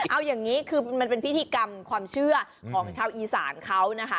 เอาอย่างนี้คือมันเป็นพิธีกรรมความเชื่อของชาวอีสานเขานะคะ